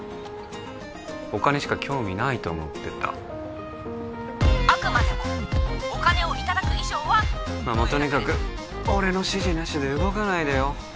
お金しか興味ないと思ってた☎あくまでもお金をいただく以上はまあもうとにかく俺の指示なしで動かないでよ